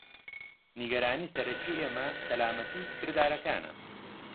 نیگەرانی سەرەکی ئێمە سەلامەتی کردارەکانە.